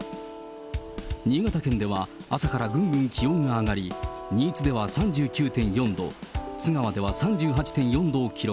新潟県では、朝からぐんぐん気温が上がり、新津では３９．４度、津川では３８．４度を記録。